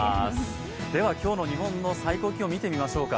では、今日の日本の最高気温見てみましょうか。